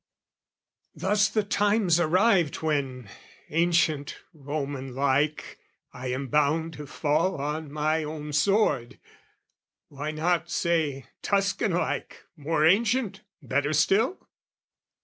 Thus The time's arrived when, ancient Roman like, I am bound to fall on my own sword, why not Say Tuscan like, more ancient, better still?